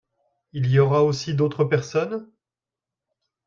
Il y aura aussi d'autres personnes ?